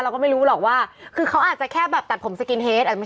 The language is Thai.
เราก็ไม่รู้หรอกว่าคือเขาอาจจะแค่แบบตัดผมสกินเฮด